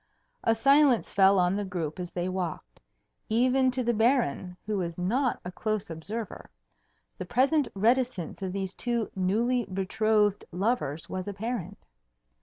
A silence fell on the group as they walked. Even to the Baron, who was not a close observer, the present reticence of these two newly betrothed lovers was apparent.